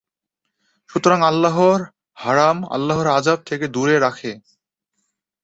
সুতরাং আল্লাহর হারম আল্লাহর আযাব থেকে দূরে রাখে।